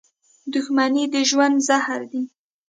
• دښمني د ژوند زهر دي.